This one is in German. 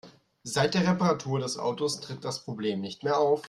Seit der Reparatur des Autos tritt das Problem nicht mehr auf.